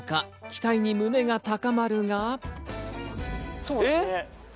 期待に胸が高まるが。